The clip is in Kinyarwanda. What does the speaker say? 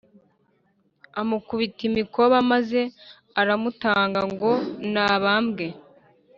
Amukubita imikoba maze aramutanga ngo nabambwe